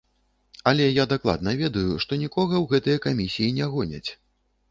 Але я дакладна ведаю, што нікога ў гэтыя камісіі не гоняць.